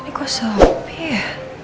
ini kok sopi ya